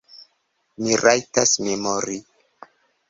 Mi rajtas memori.